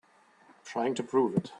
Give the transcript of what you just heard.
I'm trying to prove it.